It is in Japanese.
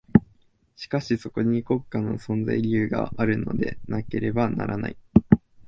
しかしそこに国家の存在理由があるのでなければならない。